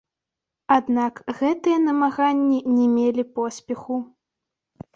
Аднак гэтыя намаганні не мелі поспеху.